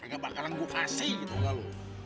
gak bakalan gue kasih gitu kan lo